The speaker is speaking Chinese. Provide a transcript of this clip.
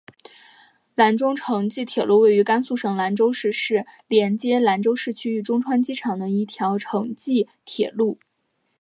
兰中城际铁路位于甘肃省兰州市是连接兰州市区与中川机场的一条城际铁路。